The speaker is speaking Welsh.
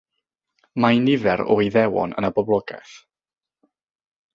Mae nifer o Iddewon yn y boblogaeth.